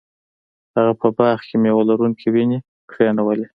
هغه په باغ کې میوه لرونکې ونې کینولې.